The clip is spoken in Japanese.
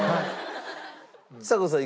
ちさ子さん